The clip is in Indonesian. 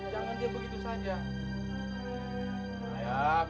jangan dia begitu saja